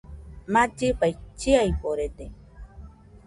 Mallifai chiaforede